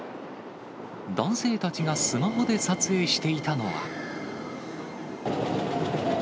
男性たちがスマホで撮影していたのは。